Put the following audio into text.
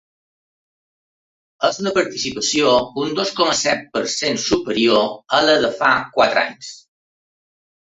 És una participació un dos coma set per cent superior a la de fa quatre anys.